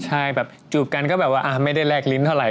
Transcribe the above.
ใช่แบบจูบกันก็แบบว่าไม่ได้แลกลิ้นเท่าไห